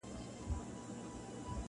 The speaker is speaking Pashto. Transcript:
او درد د تجربې برخه ده,